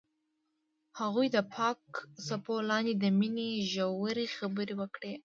هغوی د پاک څپو لاندې د مینې ژورې خبرې وکړې.